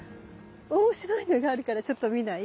おもしろいのがあるからちょっと見ない？